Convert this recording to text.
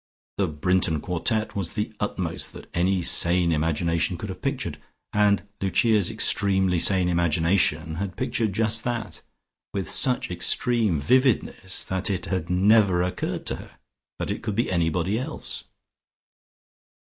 The Brinton quartet was the utmost that any sane imagination could have pictured, and Lucia's extremely sane imagination had pictured just that, with such extreme vividness that it had never occurred to her that it could be anybody else.